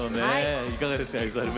いかがですかＥＸＩＬＥ